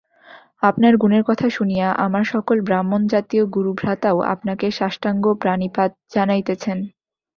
আপনার গুণের কথা শুনিয়া আমার সকল ব্রাহ্মণজাতীয় গুরুভ্রাতাও আপনাকে সাষ্টাঙ্গ প্রণিপাত জানাইতেছেন।